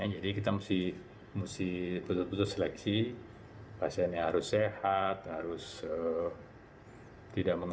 jadi kita mesti butuh seleksi pasien yang harus sehat harus tidak mengeluh